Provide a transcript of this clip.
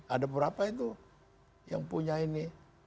ada berapa itu yang punya ini